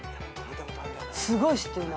すごい知ってるな。